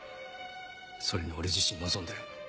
それに俺自身望んでる。